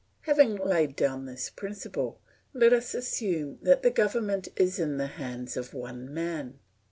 Having laid down this principle, let us assume that the government is in the hands of one man.